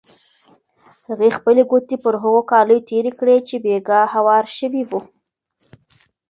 هغې خپلې ګوتې پر هغو کالیو تېرې کړې چې بېګا هوار شوي وو.